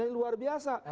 yang luar biasa